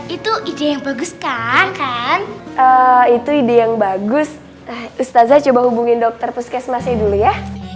itu ide yang bagus kan itu ide yang bagus ustazah coba hubungin dokter puskesmasnya dulu ya